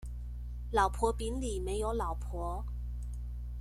老婆餅裡沒有老婆